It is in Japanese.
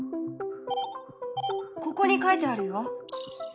ここに書いてあるよ。